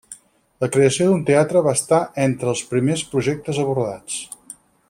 La creació d'un teatre va estar entre els primers projectes abordats.